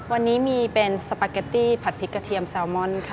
วันนี้มีเป็นสปาเกตตี้ผัดพริกกระเทียมแซลมอนค่ะ